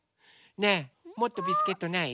ねえもっとビスケットない？